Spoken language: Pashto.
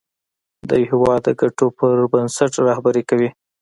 د یو هېواد د ګټو پر بنسټ رهبري کوي.